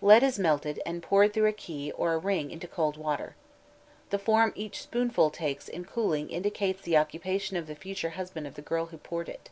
Lead is melted, and poured through a key or a ring into cold water. The form each spoonful takes in cooling indicates the occupation of the future husband of the girl who poured it.